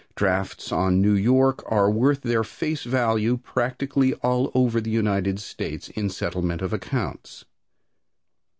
Drafts on New York are worth their face value practically all over the United States in settlement of accounts.